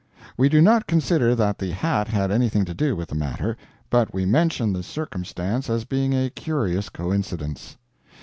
We do not consider that the hat had anything to do with the matter, but we mention the circumstance as being a curious coincidence.